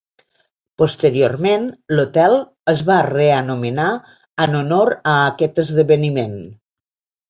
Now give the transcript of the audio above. Posteriorment, l'hotel es va reanomenar en honor a aquest esdeveniment.